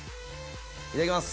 いただきます。